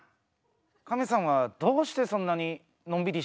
カメさんはどうしてそんなにのんびりしているの？